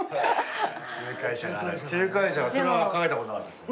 仲介者それは考えたことなかったです。